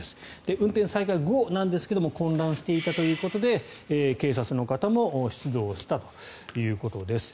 運転再開後なんですが混乱していたということで警察の方も出動したということです。